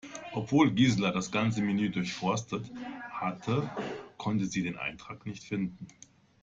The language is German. Obwohl Gisela das ganze Menü durchforstet hatte, konnte sie den Eintrag nicht finden.